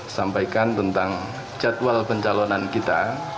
sampaikan tentang jadwal pencalonan kita